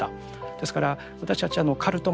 ですから私たちカルト問題